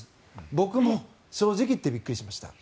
僕も、正直言ってびっくりしました。